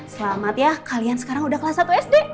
selamat ya kalian sekarang udah kelas satu sd